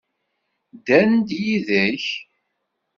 Ddan-d yid-k?